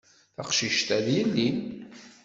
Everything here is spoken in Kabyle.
Taqcict-a, d yelli.